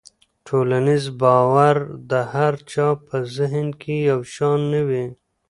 ټولنیز باور د هر چا په ذهن کې یو شان نه وي.